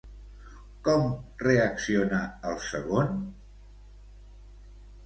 Com reacciona, el segon?